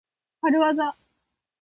かるわざ。